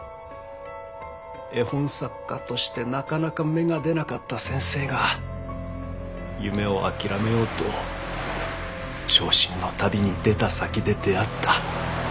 絵本作家としてなかなか芽が出なかった先生が夢を諦めようと傷心の旅に出た先で出会った。